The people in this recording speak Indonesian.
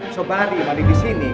sobari mandi di sini